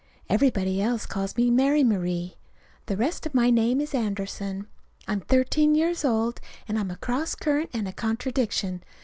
Everybody else calls me Mary Marie. The rest of my name is Anderson. I'm thirteen years old, and I'm a cross current and a contradiction.